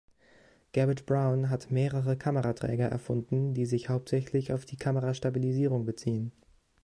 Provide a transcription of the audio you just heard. Garrett Brown hat mehrere Kameraträger erfunden, die sich hauptsächlich auf die Kamera-Stabilisierung beziehen.